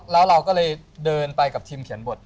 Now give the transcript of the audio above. แล้วเราก็เลยเดินไปกับทีมเขียนบท